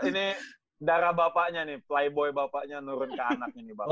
ini darah bapaknya nih flyboy bapaknya nurun ke anaknya nih bapaknya